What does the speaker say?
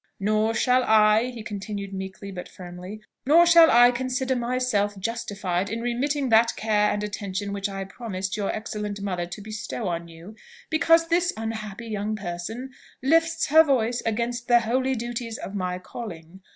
Nor shall I," he continued meekly, but firmly, "nor shall I consider myself justified in remitting that care and attention which I promised your excellent mother to bestow on you, because this unhappy young person lifts her voice against the holy duties of my calling.